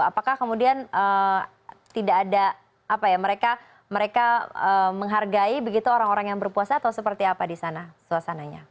apakah kemudian tidak ada apa ya mereka menghargai begitu orang orang yang berpuasa atau seperti apa di sana suasananya